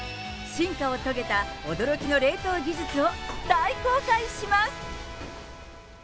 進化を遂げた、驚きの冷凍技術を大公開します。